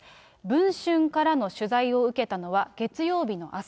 文春からの取材を受けたのは月曜日の朝。